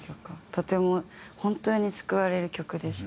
とても本当に救われる曲でした。